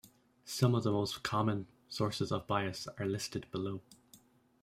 Some of the most common sources of bias are listed below.